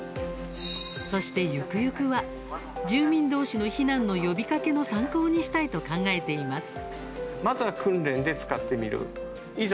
そして、ゆくゆくは住民同士の避難の呼びかけの参考にしたいと考えています。